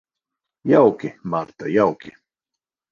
Jauki, Marta, jauki.